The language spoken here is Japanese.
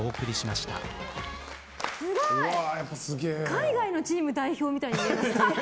海外のチーム代表みたいに見えますね。